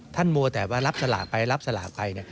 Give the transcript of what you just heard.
ท่านมวงแต่ว่ารับสลากไป